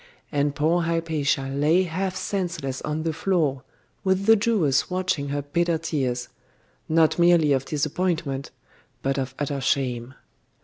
And poor Hypatia lay half senseless on the floor, with the Jewess watching her bitter tears not merely of disappointment, but of utter shame.